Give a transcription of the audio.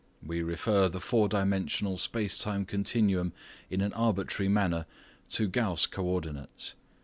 We refer the fourdimensional space time continuum in an arbitrary manner to Gauss co ordinates.